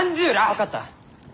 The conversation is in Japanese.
分かった。